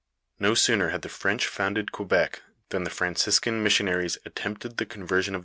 No sooner had the French founded Quebec than the Fran ciscan missionaries attempted the conversion of the Hurons.